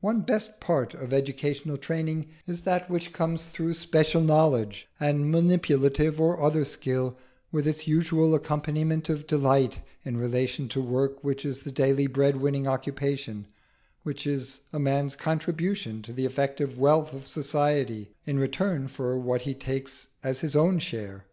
One best part of educational training is that which comes through special knowledge and manipulative or other skill, with its usual accompaniment of delight, in relation to work which is the daily bread winning occupation which is a man's contribution to the effective wealth of society in return for what he takes as his own share.